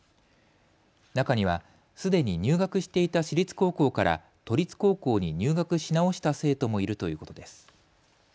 中には、すでに入学していた私立高校から都立高校に入学し直した生徒もいるということです。